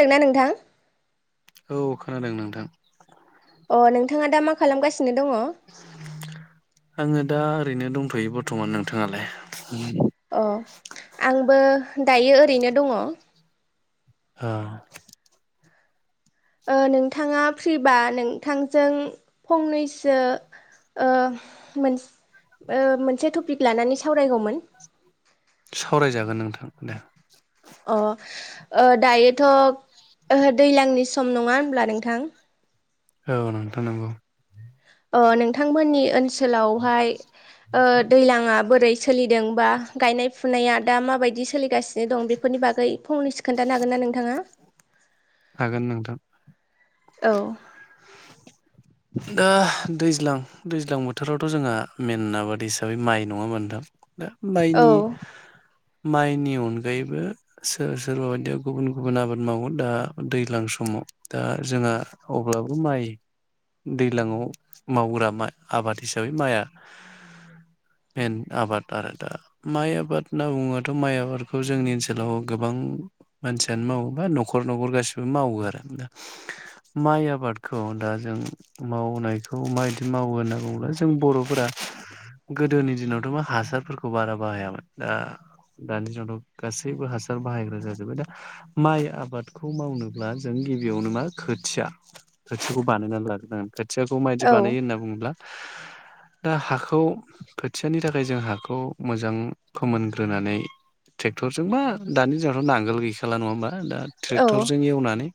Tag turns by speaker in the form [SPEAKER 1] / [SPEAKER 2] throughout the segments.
[SPEAKER 1] खोनादों ना नोंथां?
[SPEAKER 2] औ खोनादों नोंथां
[SPEAKER 1] अ नोंथाङा दा मा खालामगासिनो? नो दङ
[SPEAKER 2] आङो दा ओरैनो दंथ'यो बर्थ'मान नोंथाङालाय?
[SPEAKER 1] अ आं बो दायो ओरैनो दङ
[SPEAKER 2] औ
[SPEAKER 1] ओ नोंथाङा फ्रिबा नोंथांजों फंनैसो ओ मोन ओ मोनसे टपिक लानानै साव
[SPEAKER 2] सावरायजागोन नोंथां दे
[SPEAKER 1] अ ओ दायोथ' ओ दैज्लांनि सम नङा होमब्ला नोंथां?
[SPEAKER 2] औ नोंथां नंगौ
[SPEAKER 1] ओ नोंथांमोननि ओनसो सोलावहाय ओ दैलांङा बोरै सोलिदों बा गायनाय फुनाया दा माबायदि सोलिगासिनो दं बेफोरनि बागै फंनैसो खोनथानो हागोन ना नोंथाङा?
[SPEAKER 2] हागोन नोंथां
[SPEAKER 1] औ
[SPEAKER 2] दा दैज्लां दैज्लां बोथोरावथ' जोंहा मेन आबाद हिसाबै माइ नङा होमबा नोंथां दा
[SPEAKER 1] औ
[SPEAKER 2] माइनि माइनि अनगायैबो सोर सोरबा बायदिया गुबुन गुबुन आबाद मावो दा दैज्लां समाव दा जोंहा अब्लाबो माइ दैलाङाव मावग्रा मा आबाद हिसाबै माइआ मेन आबाद आरो दा माइ आबाद होनना बुङोबाथ' माइ आबादखौ जोंनि ओनसोलाव गोबां मानसियानो मावोबा न'खर न'खर गासिबो मावो आरो माइ आबादखौ दा जों मावनायखौ माबायदि मावो होनना बुङोब्ला जों बर'फोरा गोदोनि दिनावथ' मा हासारफोरखौ बारा बाहायामोन दा दानि दिनावथ' गासैबो हासार बाहायग्रा जाजोबबाय दा माइ आबादखौ मावनोब्ला जों गिबियावनो मा खोथिया खोथियाखौ बानायनानै लाग्रोनांगोन खोथियाखौ माबायदि बानायो होनना बुङोब्ला दा हाखौ खोथियानि थाखाय जों हाखौ मोजां फोमोनग्रोनानै टेक्टरजों बा दानि जोगावथ' नांगोल गैखाला नङा होमबा। दा ट्रेक्टरजों एवनानै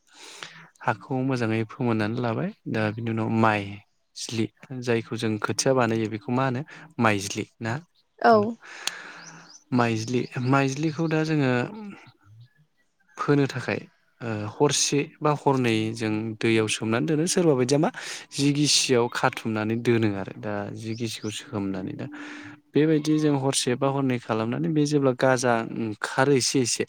[SPEAKER 2] हाखौ मोजाङै फोमोननानै लाबाय दा बिनि उनाव माइज्लि जायखौ जों खोथिया बानायो बेखौ मा होनो माइज्लि। ना उम माइज्लि माइज्लिखौ दा जोङो फोनो थाखाय ओ हरसे बा हरनै जों दैयाव सोमनानै दोनो सोरबा बायदिया मा जि गिसियाव खाथुमनानै दोनो आरो दा जि गिसिखौ सोमनानै दा बेबायदि जों हरसे बा हरनै खालामनानै बे जेब्ला गाजा ओंखारो एसे एसे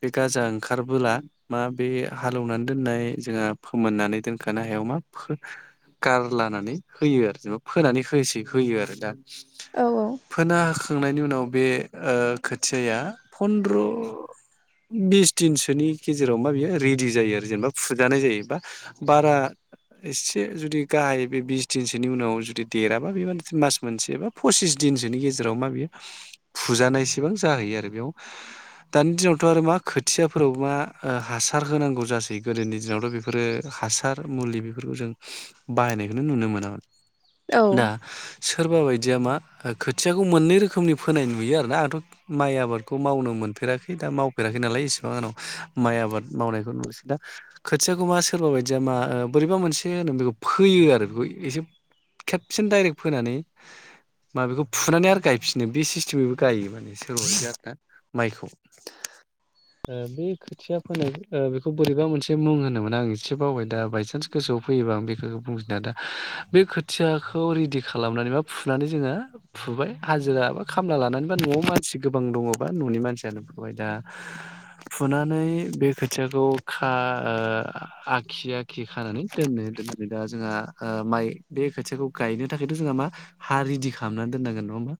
[SPEAKER 2] बे गाजा ओंखारबोला मा बे हालेवनानै दोननाय जोंहा फोमोननानै दोनखानो हायाव मा फो गारलानानै होयो आरो जेनेबा फोनानै होसै होयो आरो दा।
[SPEAKER 1] औ
[SPEAKER 2] फोना होखांनायनि उनाव बे ओ खोथियाया फनद्र' बिस दिनसोनि गेजेराव मा बियो रेडि जायो आरो जेनेबा फुजानाय जायो बा बारा एसे जुदि गाहाय बे बिस दिनसोनि उनाव जुदि देराबा बे माने मास मोनसे बा पसिस दिनसोनि गेजेराव मा बियो फुजानाय इसेबां जाहैयो आरो बेयाव दानि दिनावथ' आरो मा खोथियाफोराव मा ओ हासार होनांगौ जासै गोदोनि दिनावथ' बेफोरो हासार मुलि बिफोरखौ जों बाहायनायखौ नुनो मोनामोन। दा सो सोरबा बायदिया मा ओ खोथियाखौ मोननै रोखोमनि फोनायनाय नुयो आरोना आंथ' माइ आबादखौ मावनो मोनफेराखै दा मावफेराखै नालाय इसेबां आंनाव माइ आबाद मावनायखौ नुसै दा खोथियाखौ मा सोरबा बायदिया मा ओ बोरैबा मोनसे होनोमोन बेखौ फोयो आरो बेखौ एसे खेबसेनो दडायरेक्ट फोनानै मा बेखौ फुनानै आरो गायफिनो बे सिस्टेमैबो गायो माने सोरबासेया आरो ना माइखौ ओ बे खोथिया फोनाय ओ बेखौ बोरैबा मोनसे मुं होनोमोन आं एसे बावबाय दा बाय सान्स गोसोआव फैयोबा आं बे [unintelligible] दा बे खोथियाखौ रेडि खालामनानै बा फुनानै जोङो फुबाय हाजिरा बा खामला लानानै बा न'आव मानसि गोबां दङबा न'नि मानसियानो फुबाय दा फुनानै बे खोथियाखौ खा ओ आखि आ- खि खानानै दोननो दोननानै दा जोंहा ओ माइ बे खोथियाखौ गायनो थाखायथ' जोंहा मा हा रिडि खालामनानै दोननांगोन नङा होमबा?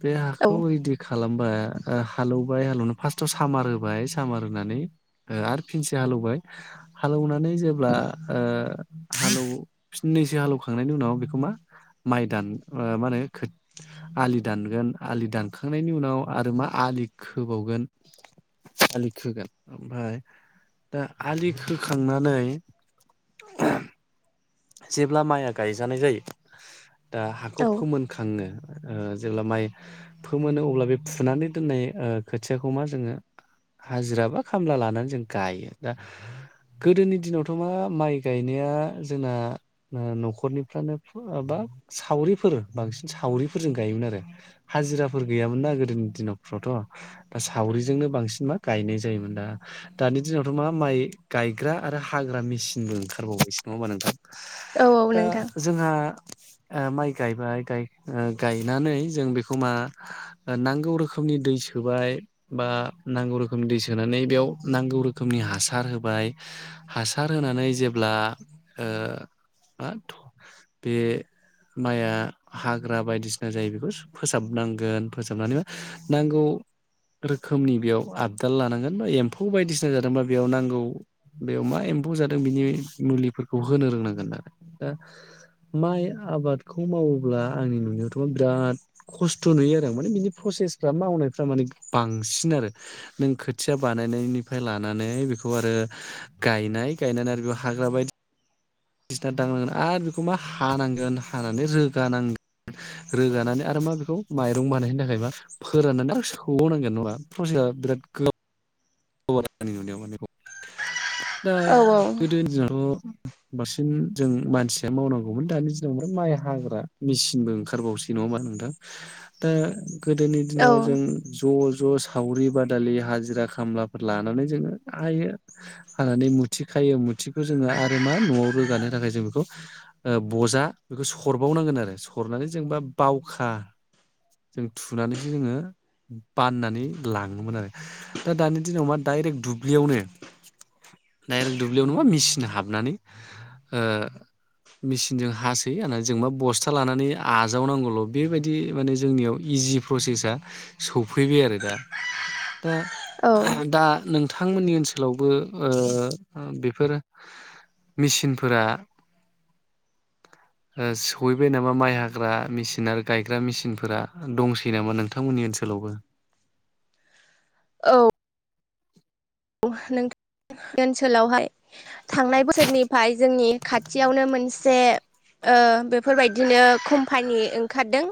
[SPEAKER 2] बे
[SPEAKER 1] औ
[SPEAKER 2] हाखौ रेदि खालाम मा ओ हालोवबाय हालेवनो फार्स्टआव सामार होबाय सामार होनानै ओ आरो फिनसे हालौवबाय। हालोवनानै जेब्ला ओ हालौ फिनैसो हालौखांनायनि उनाव बेखौ मा माइ दान ओ मानो खोथ आलि दानगोन आलि दानखांनायनि उनाव आरो मा आलि खोबावगोन आलि खोगोन ओमफाय दा आलि खो खोखांनानै जेब्ला माइया गायजानाय जायो दा हाखौ फोमोनखाङो ओ जेब्ला माइ फोमोनो अब्ला बे फुनानै दोननाय ओ खोथियाखौ मा जोङो हाजिरा बा खामला लानानै जों गायो दा गोदोनि दिनावथ' मा माइ गायनाया जोंना नो न'खरनिफ्रानो माबा सावरिफोर बांसिन सावरिफोरजों गायोमोन आरो हाजिराफोर गैयामोन नना गोदोनि दिनावफ्रावथ' दा सावरिजोंनो बांसिन मा गायनाय जायोमोन दा दानि दिनावथ' मा माइ गायग्रा आरो हाग्रा मिसिनबो ओंखार बावबायसो। नङा होनबा नोंथां?
[SPEAKER 1] औ
[SPEAKER 2] दा
[SPEAKER 1] नोंथां
[SPEAKER 2] जोंहा ओ माइ गायबाय गाय ओ गायनानै जों बेखौ मा नांगौ रोखोमनि दै सोबाय बा नांगौ रोखोमनि दै सोनानै बेयाव नांगौ रोखोमनि हासार होबाय हासार होनानै जेब्ला ओ मा थ' बे माइआ हाग्रा बायदिसिना जायो बेखौ फोसाबनांगोन फोसाबनानै मा नांगौ रोखोमनि बेयाव आबदाल लानांगोन बा एम्फौ बायदिसिना जादोंबा बेयाव नांगौ बेयाव मा एम्फौ जादों बेनि मुलिफोर खौ होनो रोंनांगोन आरो। दा माइ आबादखौ मावोब्ला आंनि नुनायावथ' बिराद खस्थ' नुयो आरो आं माने बिनि प्रसेसफ्रा मावनायफ्रा माने बांसिन आरो नों खोथिया बानायनायनिफाय लानानै बेखौ आरो गायनाय गायनानै आरो बेयाव हाग्रा बाय दिसिना दांनांगोन आरो बेखौ मा हानांगोन हानानै रोगानांगोन रोगानानै आरो मा बेखौ माइरं बानायनायनि थाखाय मा फोराननानै आरो सौ [inaudible] नङाबा प्रसेसा बिराद गो [unintelligible] दा
[SPEAKER 1] औ
[SPEAKER 2] गोदोनि दिना थ' बांसिन जों मानसिया मावनांगौमोन दानि दिनाव ओफ्राय माइ हाग्रा मेसिनबो ओंखारबावसै नङा ओनबा नोंथां। दा गोदोनि
[SPEAKER 1] औ
[SPEAKER 2] दिनाव जों ज' ज' सा सावरि बादालि हाजिरा खामला फोर लानानै जोङो हायो हानानै मुथि खायो मुथिखौ जोङो आरो मा न'आव रोगानो थाखाय जों बेखौ बजा बेखौ सरबावनांगोन आरो सरनानै जोंबा बावखा जों थुनानैसो जोङो बाननानै लाङोमोन आरो दा दानि दिनाव मा डाइरेक्ट दुब्लियावनो डाइरेक्ट दुब्लियावनो मा मिचिन हाबनानै ओ मिचिनजों हासै होननानै जों मा बस्था लानानै आजावनांगौल' बेबायदि माने जोंनियाव इजि प्रसेसा सौफैबाय आरो दा। दा दा नों नोंथांमोननि ओनसोलावबो ओ बेफोर मेसिनफोरा ओ सहैबाय नामा माइ हाग्रा मेसिन आरो गायग्रा मेसिनफोरा दंसै नामा नोंथांमोननि ओनसोलावबो?
[SPEAKER 1] औ नोंथां ओनसोलावहाय थांनाय बोसोरनिफ्राय जोंनि खाथियावनो मोनसे ओ बेफोरबायदिनो कम्पानि ओंखारदों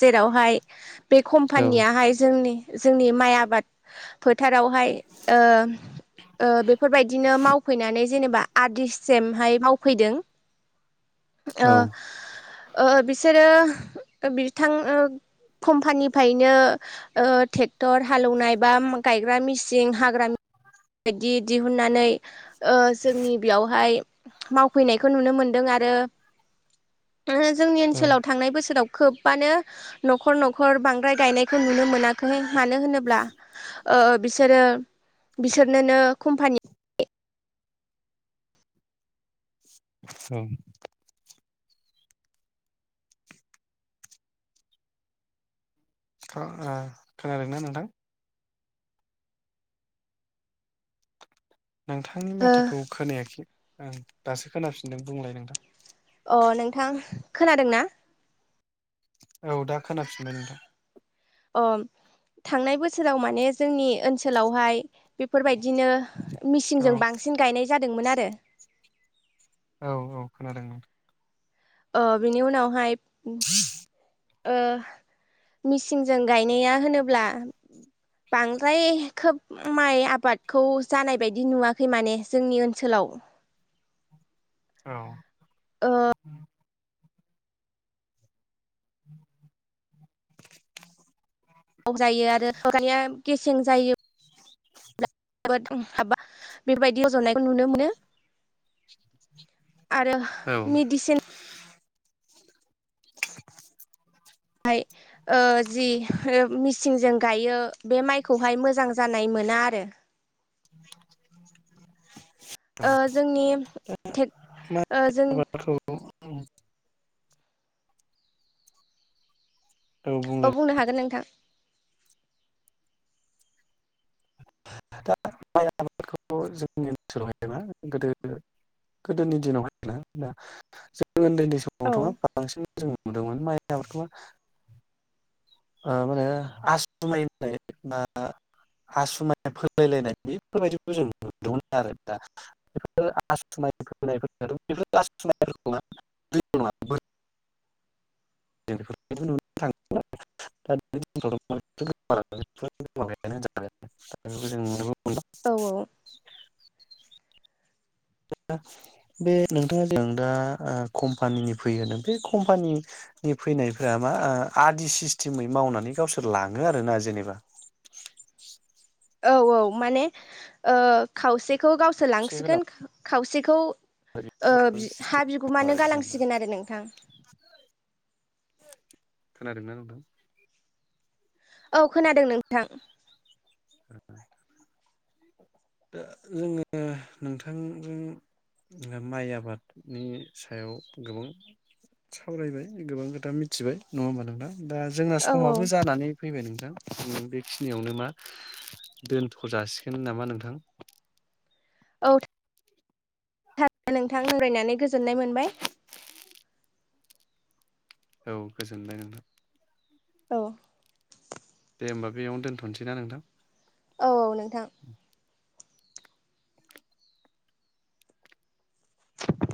[SPEAKER 1] जेरावहाय बे
[SPEAKER 2] औ
[SPEAKER 1] कम्पानियाहाय जोंनि जोंनि माइ आबाद फोथारावहाय ओ ओ बेफोरबायदिनो मावफैनानै जेनेबा आदिस सिमहाय मावफैदों।
[SPEAKER 2] औ।
[SPEAKER 1] ओ ओ बिसोरो बिथां कम्पानिफ्रायनो ओ ट्रेक्टर हालेवनाय बा गायग्रा मेसिन हाग ग्रा बिदि दिहुननानै ओ जोंनि बेयावहाय मावफैनायखौ नुनो मोनदों आरो। जोंनि
[SPEAKER 2] औ
[SPEAKER 1] ओनसोलाव थांनाय बोसोराव खोब बानो न'खर न'खर बांद्राय गायनायखौ नुनो मोनाखै मानो ओ होनोब्ला बिसोरो बिसोरनोनो कम्पानि
[SPEAKER 2] औ [unintelligible] खोनादोंना नोंथां? नोंथांनि
[SPEAKER 1] ओ
[SPEAKER 2] माथोखौ खोनायाखै। ओं दासो खोनाफिनदों बुंलाय नोंथां।
[SPEAKER 1] अ नोंथां खोनादों ना?
[SPEAKER 2] औ दा खोनाफिनबाय नोंथां।
[SPEAKER 1] अ थांनाय बोसोराव माने जोंनि ओनसोलावहाय बेफोरबायदिनो
[SPEAKER 2] औ
[SPEAKER 1] मिसिनजों बांसिन गायनाय जादोंमोन आ रो
[SPEAKER 2] औ औ खोनादोंमोन नोंथां
[SPEAKER 1] ओ बिनि उनावहाय
[SPEAKER 2] [unintelligible]
[SPEAKER 1] ओ मेसिनजों गायनाया होनोब्ला बांद्राय खोब माइ आबादखौ जानाय बायदि नुवाखै माने जोंनि ओनसोलाव।
[SPEAKER 2] औ [inaudible] [inaudible]
[SPEAKER 1] [unintelligible] जायो आरो [unintelligible] गेसें जायो
[SPEAKER 2] [inaudible]
[SPEAKER 1] [unintelligible] बेफोरबायदि रजनायखौ नुनो मोनो। आरो
[SPEAKER 2] औ।
[SPEAKER 1] मेडिसिन हाय ओ जि ओ मिसिनजों गायो बे माइखौहाय मोजां जानाय मोना आरो।
[SPEAKER 2] औ
[SPEAKER 1] ओ जोंनि खेथ
[SPEAKER 2] मा
[SPEAKER 1] ओ जों
[SPEAKER 2] [unintelligible]
[SPEAKER 1] औ बुंनो हागोन नोंथां
[SPEAKER 2] दा माइ आबादखौ जोंनि ओनसोलावहायना गोदो गोदोनि दिनावहायना दा जों जों उनदै उनदै
[SPEAKER 1] औ
[SPEAKER 2] समावथ' बांसिन जों नुदोंमोन माइ आबादखौ ओ मा होनो आसु माइ होननाय [unintelligible] [unintelligible]
[SPEAKER 1] औ औ
[SPEAKER 2] [inaudible] बे नोंथाङा जों दा कम्पानिनि फैयोनो बे कम्पानिनि फैनायफ्रा मा आदि सिस्टेमै मावनानै गावसोर लाङो आरोना जेनेबा
[SPEAKER 1] औ औ माने ओ खावसे खौ गावसोर
[SPEAKER 2] खौसे
[SPEAKER 1] लांसिगोन
[SPEAKER 2] होलाङो
[SPEAKER 1] खावसेखौ ओ बि
[SPEAKER 2] बेफोरबायदि
[SPEAKER 1] हा
[SPEAKER 2] सिस्टेम
[SPEAKER 1] बिगुमानो
[SPEAKER 2] आरो जेनेबा
[SPEAKER 1] गालांसिगोन आरो नोंथां
[SPEAKER 2] खोनादोंना नोंथां?
[SPEAKER 1] औ खोनादों नोंथां
[SPEAKER 2] दा जोङो नोंथांजों ओ माइ आबादनि सायाव गोबां सावरायबाय गोबां खोथा मिथिबाय नङा होमबा नोंथां दा जोंना
[SPEAKER 1] औ
[SPEAKER 2] समाबो
[SPEAKER 1] औ
[SPEAKER 2] जानानै फैबाय नोंथां न बेखिनियावनो मा दोनथ' जासिगोन नामा नोंथां
[SPEAKER 1] औ थारैनो नोंथां रायलायनानै गोजोननाय मोनबाय
[SPEAKER 2] औ गोजोनबाय नोंथां
[SPEAKER 1] औ
[SPEAKER 2] दे होनोमबा बेयावनो दोनथ'नोसैना नोंथां
[SPEAKER 1] औ औ नोंथां [inaudible]